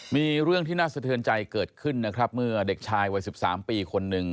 มีเรื่องที่น่าสะเทือนใจเกิดขึ้นนะครับเมื่อเด็กชายวัย๑๓ปีคนหนึ่ง